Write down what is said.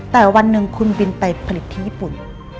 แต่วันหนึ่งคุณบินไปผลิตที่ญี่ปุ่น